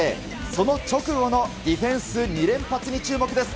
その直後のディフェンス２連発に注目です。